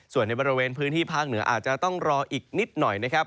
ส่วนในบริเวณพื้นที่ภาคเหนืออาจจะต้องรออีกนิดหน่อยนะครับ